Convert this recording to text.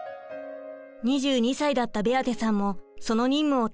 ２２歳だったベアテさんもその任務を担当。